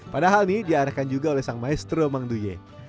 padahal nih diarahkan juga oleh sang maestro mang duye